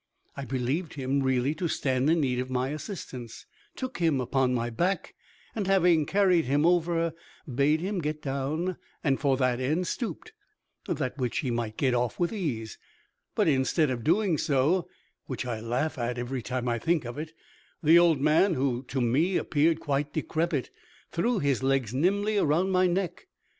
I believed him really to stand in need of my assistance, took him upon my back, and having carried him over, bade him get down, and for that end stooped, that he might get off with ease; but instead of doing so (which I laugh at every time I think of it), the old man, who to me appeared quite decrepit, threw his legs nimbly about my neck.